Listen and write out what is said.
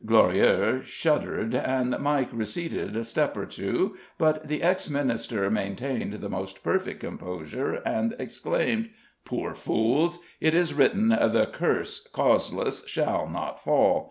Glorieaux shuddered, and Mike receded a step or two: but the ex minister maintained the most perfect composure, and exclaimed: "Poor fools! It is written, 'The curse, causeless, shall not fall.'